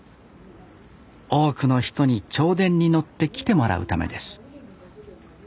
多くの人に銚電に乗って来てもらうためです